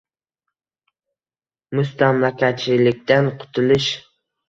Mustamlakachilikdan qutilish